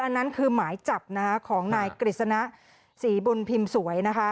อันนั้นคือหมายจับของนายกฤษนะศรีบุญพิมพ์สวย